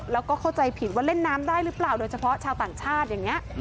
แล้วก็เข้าใจผิดว่าเล่นน้ำได้หรือเปล่าโดยเฉพาะชาวต่างชาติอย่างนี้